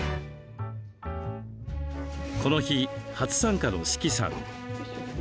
この日、初参加の志岐さん。